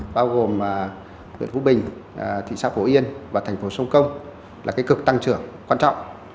bao gồm huyện phú bình thị xã phổ yên và thành phố sông công là cực tăng trưởng quan trọng